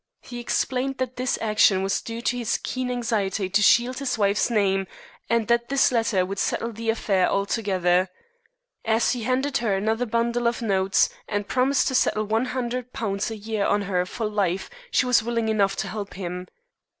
He explained that his action was due to his keen anxiety to shield his wife's name, and that this letter would settle the affair altogether. As he handed her another bundle of notes, and promised to settle £100 a year on her for life, she was willing enough to help him.